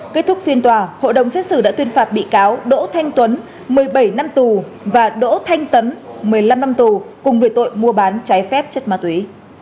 kết thúc phiên tòa hội đồng xét xử đã tuyên phạt bị cáo đỗ thanh tuấn một mươi bảy năm tù và đỗ thanh tấn một mươi năm năm tù cùng về tội mua bán trái phép chất ma túy